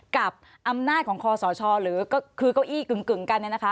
กับอำนาจของคอสชหรือก็คือเก้าอี้กึ่งกันเนี่ยนะคะ